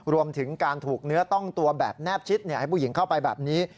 รวมถึงการถูกเนื้อต้องตัวแบบแนบชิดให้ผู้หญิงเข้าไปแบบนี้